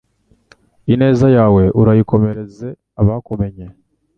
Ineza yawe urayikomereze abakumenye